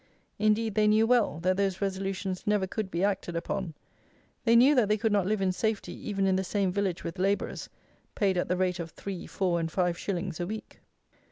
Indeed, they knew well, that those resolutions never could be acted upon. They knew that they could not live in safety even in the same village with labourers, paid at the rate of 3, 4, and 5 shillings a week.